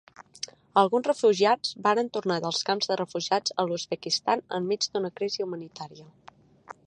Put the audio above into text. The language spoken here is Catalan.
Alguns refugiats varen tornar dels camps de refugiats a l'Uzbekistan enmig d'una crisi humanitària.